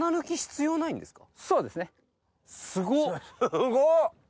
すごっ！